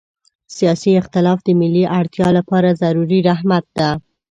سیاسي اختلاف د ملي اړتیا لپاره ضروري رحمت ده.